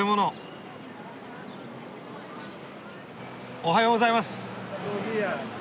おはようございます。